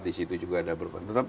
di situ juga ada beberapa tempat